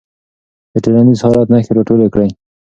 د ټولنیز حالت نښې راټولې کړه.